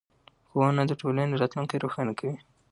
ښوونه د ټولنې راتلونکی روښانه کوي